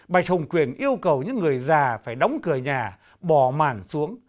bạch hồng quyền yêu cầu những người già phải đóng cửa nhà bỏ màn xuống